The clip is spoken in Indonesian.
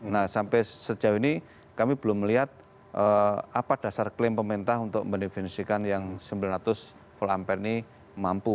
nah sampai sejauh ini kami belum melihat apa dasar klaim pemerintah untuk mendefinisikan yang sembilan ratus volt ampere ini mampu